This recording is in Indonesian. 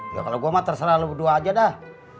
ya kalau gue mah terserah lalu berdua aja dah